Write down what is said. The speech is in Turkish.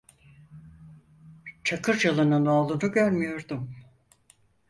Çakırcalı'nın oğlunu görmüyordum.